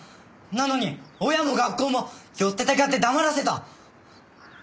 なのに親も学校もよってたかって黙らせた！